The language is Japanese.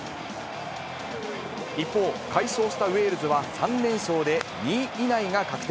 一方、快勝したウェールズは３連勝で２位以内が確定。